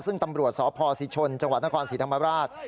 ซึ่งตำรวจสพศิชนจังหวัดนครศรีธรรมราช